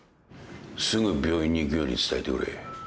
すぐ病院に行くように伝えてくれ。